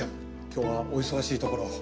今日はお忙しいところを。